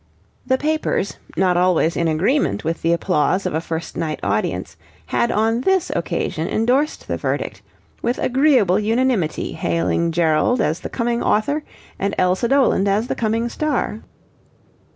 The papers, not always in agreement with the applause of a first night audience, had on this occasion endorsed the verdict, with agreeable unanimity hailing Gerald as the coming author and Elsa Doland as the coming star.